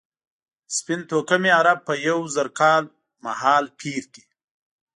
سپین توکمي عرب په یو زر کال مهالپېر کې.